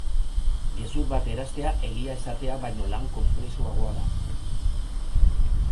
Gezur bat eratzea egia esatea baino lan konplexuagoa da.